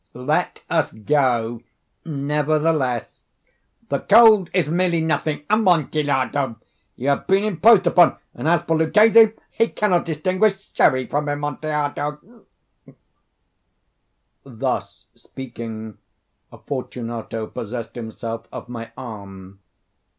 "Let us go, nevertheless. The cold is merely nothing. Amontillado! You have been imposed upon. And as for Luchesi, he cannot distinguish Sherry from Amontillado." Thus speaking, Fortunato possessed himself of my arm.